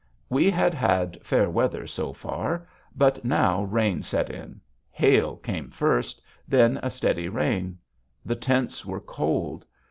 We had had fair weather so far. But now rain set in. Hail came first; then a steady rain. The tents were cold.